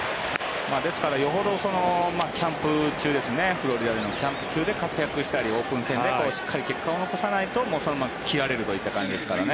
ですからよほどキャンプ中で活躍したりオープン戦でしっかり結果を残さないとそのまま切られるという感じですからね。